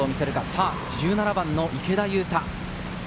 さぁ１７番の池田勇太。